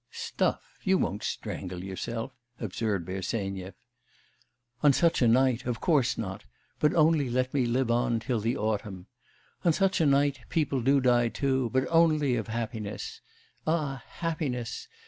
'Stuff, you won't strangle yourself,' observed Bersenyev. 'On such a night, of course not; but only let me live on till the autumn. On such a night people do die too, but only of happiness. Ah, happiness!